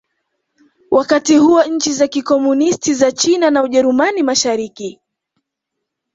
Wakati huo nchi za Kikomunisti za China na Ujerumani Mashariki